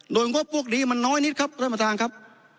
โดยงบพวกนี้มันน้อยนิดครับท่านประธานครับ